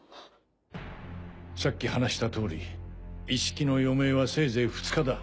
さっき話したとおりイッシキの余命はせいぜい２日だ。